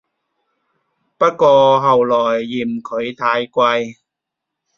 不過後來嫌佢太貴